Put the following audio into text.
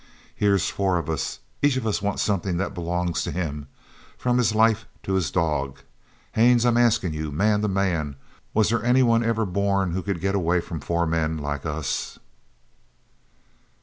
Here's four of us. Each of us want something that belongs to him, from his life to his dog. Haines, I'm askin' you man to man, was there any one ever born who could get away from four men like us?"